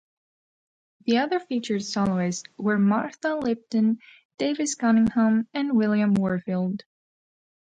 The other featured soloists were Martha Lipton, Davis Cunningham and William Warfield.